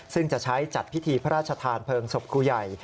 ซึ่งจะใช้จัดพิธีพระราชทานเพลิงศพครูใหญ่